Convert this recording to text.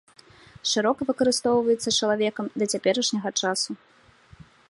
Шырока выкарыстоўваецца чалавекам да цяперашняга часу.